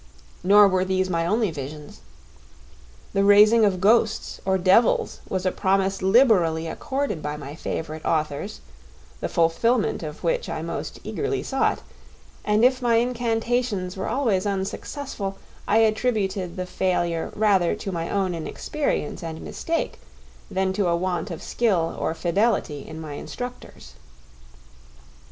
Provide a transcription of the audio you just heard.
Nor were these my only visions. The raising of ghosts or devils was a promise liberally accorded by my favourite authors, the fulfilment of which I most eagerly sought; and if my incantations were always unsuccessful, I attributed the failure rather to my own inexperience and mistake than to a want of skill or fidelity in my instructors.